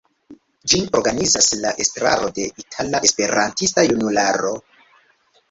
Ĝin organizas la estraro de Itala Esperantista Junularo.